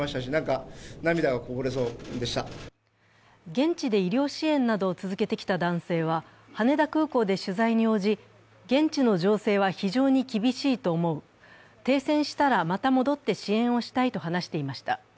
現地で医療支援などを続けてきた男性は羽田空港で取材に応じ現地の情勢は非常に厳しいと思う停戦したらまた戻って支援をしたいと話していました。